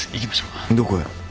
どこへ？